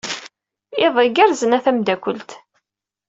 Iḍ igerrzen a tameddakelt!